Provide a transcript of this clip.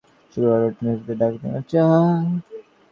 শুক্রবারে রুটিন ভিজিটে ডাক্তাররা আসেন না।